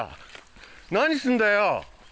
何すんだよ！